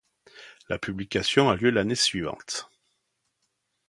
La publication a lieu l'année suivante.